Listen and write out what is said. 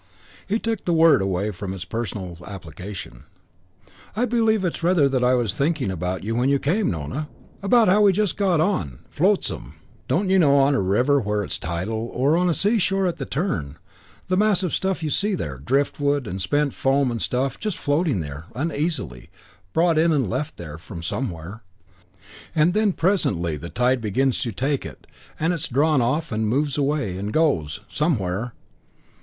III He took the word away from its personal application. "I believe that's rather what I was thinking about when you came, Nona. About how we just go on flotsam. Don't you know on a river where it's tidal, or on the seashore at the turn, the mass of stuff you see there, driftwood and spent foam and stuff, just floating there, uneasily, brought in and left there from somewhere; and then presently the tide begins to take it and it's drawn off and moves away and goes somewhere.